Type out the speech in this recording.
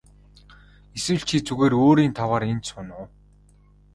Эсвэл чи зүгээр өөрийн тааваар энд сууна уу.